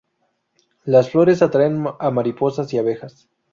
Las flores atraen a mariposas y abejas.